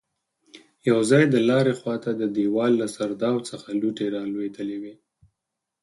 يو ځای د لارې خواته د دېوال له سرداو څخه لوټې رالوېدلې وې.